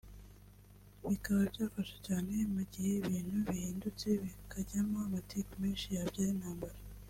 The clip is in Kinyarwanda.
bikaba byafasha cyane mu gihe ibintu bihindutse bikajyamo amatiku menshi yabyara intambara